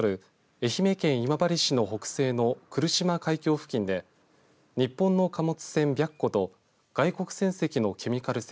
愛媛県今治市の北西の来島海峡付近で日本の貨物船、白虎と外国船籍のケミカル船